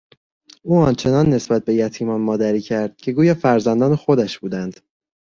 او آنچنان نسبت به یتیمانمادری کرد که گویی فرزندان خودش بودند.